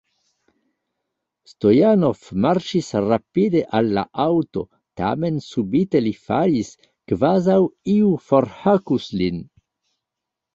Stojanov marŝis rapide al la aŭto, tamen subite li falis, kvazaŭ iu forhakus lin.